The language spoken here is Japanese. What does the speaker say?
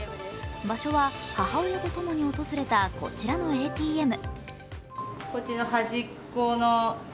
場所は母親とともに訪れたこちらのＡＴＭ。